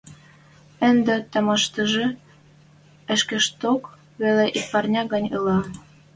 Ӹнде томаштыжы ӹшкетшок веле ик парня гань ӹлӓ.